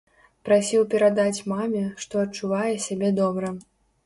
Прасіў перадаць маме, што адчувае сябе добра.